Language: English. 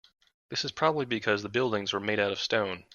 This is probably because the buildings were made out of stone.